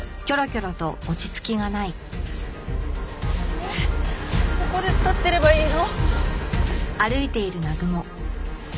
えっここで立ってればいいの？